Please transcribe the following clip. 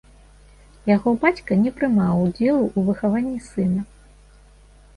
Яго бацька не прымаў удзелу ў выхаванні сына.